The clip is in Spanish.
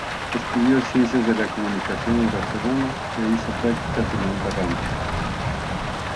Estudió Ciencias de la Comunicación en Barcelona e hizo prácticas en Onda Rambla.